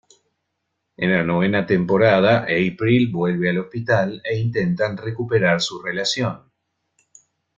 En la novena temporada, April vuelve al hospital, e intentan recuperar su relación.